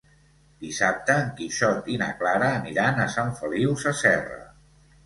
Dissabte en Quixot i na Clara aniran a Sant Feliu Sasserra.